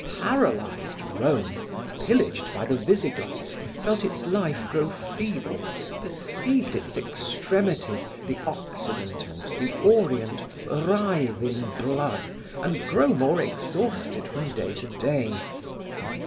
Paralyzed Rome, pillaged by the Visigoths, felt its life grow feeble, perceived its extremities, the occident and the orient, writhe in blood and grow more exhausted from day to day.